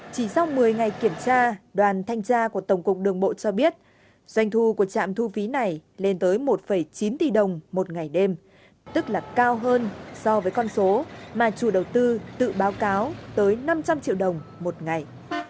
chỉ sau một mươi ngày kiểm tra đoàn thanh tra của tổng cục đường bộ cho biết doanh thu của trạm thu phí này lên tới một chín tỷ đồng một ngày đêm tức là cao hơn so với con số mà chủ đầu tư tự báo cáo tới năm trăm linh triệu đồng một ngày